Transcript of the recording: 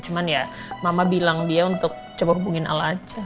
cuman ya mama bilang dia untuk coba hubungin ala aja